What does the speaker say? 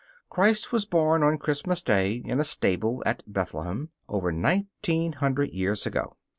Christ was born on Christmas day in a stable at Bethlehem, over nineteen hundred years ago.